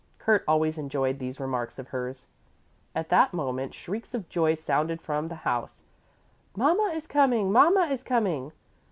Kurt always enjoyed these remarks of hers. At that moment shrieks of joy sounded from the house: "Mama is coming! Mama is coming!"